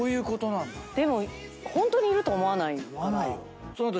でもホントにいると思わないから。